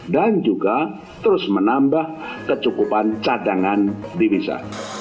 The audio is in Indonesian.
dan juga terus menambah kecukupan cadangan divisa